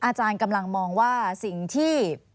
อาจารย์กำลังมองว่าสิ่งที่